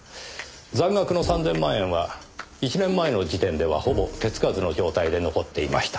残額の３０００万円は１年前の時点ではほぼ手付かずの状態で残っていました。